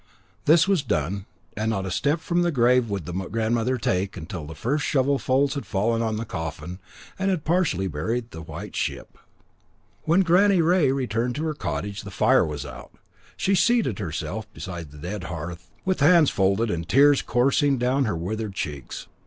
This was done, and not a step from the grave would the grandmother take till the first shovelfuls had fallen on the coffin and had partially buried the white ship. When Granny Rea returned to her cottage, the fire was out. She seated herself beside the dead hearth, with hands folded and the tears coursing down her withered cheeks.